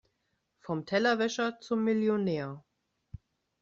Vom Tellerwäscher zum Millionär.